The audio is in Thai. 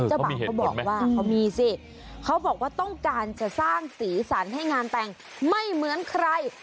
บ่าวเขาบอกว่าเขามีสิเขาบอกว่าต้องการจะสร้างสีสันให้งานแต่งไม่เหมือนใคร